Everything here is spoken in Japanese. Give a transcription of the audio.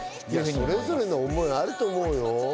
それぞれの思いあると思うよ。